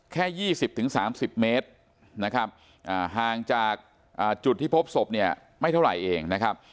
แค่๒๐๓๐เมตรนะครับห่างจากจุดที่พบศพเนี่ยไม่เท่าไหร่เองนะครับ